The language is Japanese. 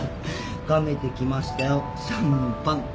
がめてきましたよシャンパン。